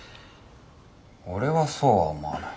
俺はそうは思わない。